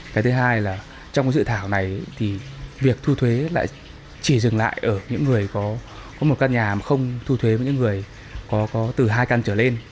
cái thứ hai là trong dự thảo này thì việc thu thuế lại chỉ dừng lại ở những người có một căn nhà mà không thu thuế với những người có từ hai căn trở lên